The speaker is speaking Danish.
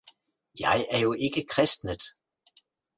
Jeg er jo ikke kristnet!